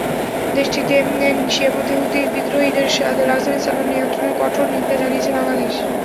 দেশটিতে শিয়াপন্থী হুতি বিদ্রোহীদের রাজধানী সানা নিয়ন্ত্রণেরও কঠোর নিন্দা জানিয়েছে বাংলাদেশ।